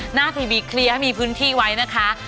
หน้าทีวีเคลียร์ให้มีพื้นที่ไว้นะคะ